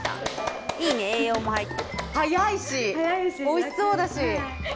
早いしおいしそうだし。